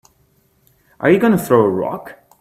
Are you gonna throw a rock?